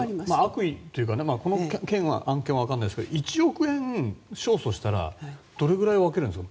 悪意というかこの案件は分からないですけど１億円勝訴したらどれくらい分けるんですか？